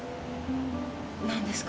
何ですか？